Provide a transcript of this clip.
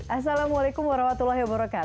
assalamualaikum wr wb